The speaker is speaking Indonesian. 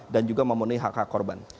dan juga memenuhi hak hak korban